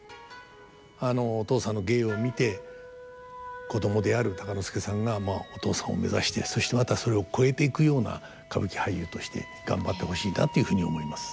あのお父さんの芸を見て子供である鷹之資さんがお父さんを目指してそしてまたそれを超えていくような歌舞伎俳優として頑張ってほしいなっていうふうに思います。